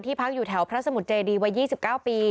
พักอยู่แถวพระสมุทรเจดีวัย๒๙ปี